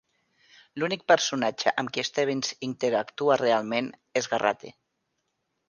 L'únic personatge amb qui Stebbins interactua realment és Garraty.